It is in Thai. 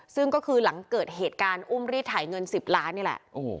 ซึ่งก็คือหลังเกิดเหตุการณ์อุ้มรีดถ่ายเงิน๑๐ล้านนี่แหละ